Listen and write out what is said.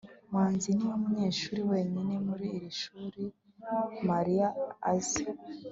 manzi niwe munyeshuri wenyine muri iri shuri mariya azi